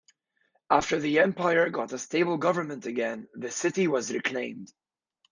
After the empire got a stable government again, the city was reclaimed.